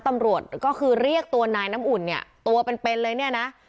ตำรวจก็คือเรียกตัวนายน้ำอุ่นเนี่ยตัวเป็นเป็นเลยเนี่ยนะ